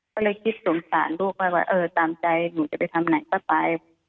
ก็เลยคิดสงสารลูกไว้ว่าเออตามใจหนูจะไปทำไหนก็ไป